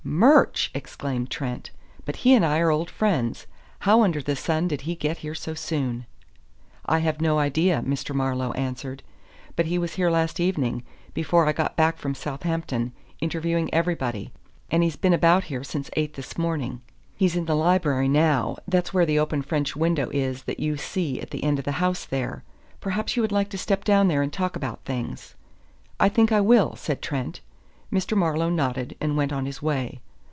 "Murch!" Trent exclaimed. "But he and I are old friends. How under the sun did he get here so soon?" "I have no idea," Mr. Marlowe answered. "But he was here last evening, before I got back from Southampton, interviewing everybody, and he's been about here since eight this morning. He's in the library now that's where the open French window is that you see at the end of the house there. Perhaps you would like to step down there and talk about things." "I think I will," said Trent. Mr. Marlowe nodded and went on his way.